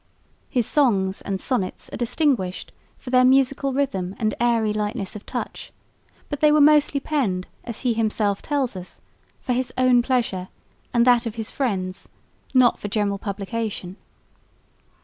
His songs and sonnets are distinguished for their musical rhythm and airy lightness of touch, but they were mostly penned, as he himself tells us, for his own pleasure and that of his friends, not for general publication.